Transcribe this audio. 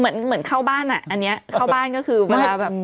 อีกคลิกเหมือนเข้าบ้านอ่ะอันนี้เข้าบ้านก็คือเวลาแบบอยู่บ้านพี่เอ